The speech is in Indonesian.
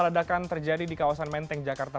ledakan terjadi di kawasan menteng jakarta